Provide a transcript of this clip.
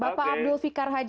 bapak abdul fikar haji